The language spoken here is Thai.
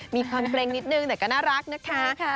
มีความเกรงนิดนึงแต่ก็น่ารักนะคะ